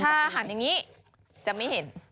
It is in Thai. ถ้าหันอย่างนี้จะไม่เห็น